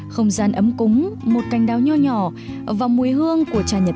hãy đăng ký kênh để nhận thông tin nhất